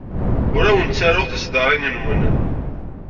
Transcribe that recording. Ur awen-ttaruɣ tiṣeddarin-nwen.